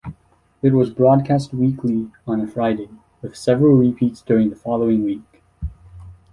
It was broadcast weekly on a Friday, with several repeats during the following week.